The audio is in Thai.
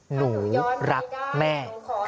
หนูรักแม่